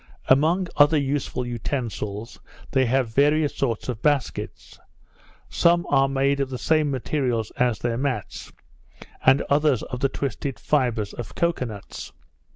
Among other useful utensils, they have various sorts of baskets; some are made of the same materials as their mats; and others of the twisted fibres of cocoa nuts.